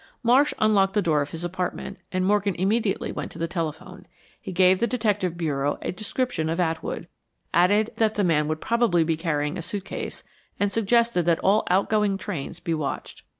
Marsh unlocked the door of his apartment and Morgan immediately went to the telephone. He gave the Detective Bureau a description of Atwood, added that the man would probably be carrying a suitcase, and suggested that all outgoing trains be watched.